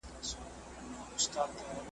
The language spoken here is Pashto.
لکه وروڼه یو له بله سره ګران ول ,